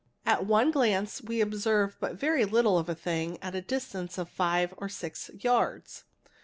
At one glance we observe but very little of a thing at a distance of five or six yards.